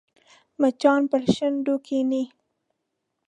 مچان پر شونډو کښېني